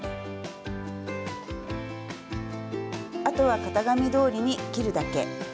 あとは型紙どおりに切るだけ。